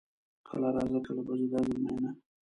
کله راځه کله به زه درځم میینه